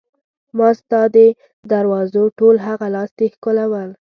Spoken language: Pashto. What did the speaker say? ما ستا د دروازو ټول هغه لاستي ښکلول.